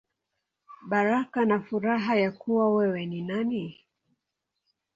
Baraka na Furaha Ya Kuwa Wewe Ni Nani.